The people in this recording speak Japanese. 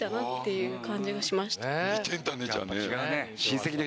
似てんだねじゃあね。